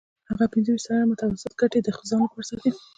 هغه پنځه ویشت سلنه متوسطه ګټه د ځان لپاره ساتي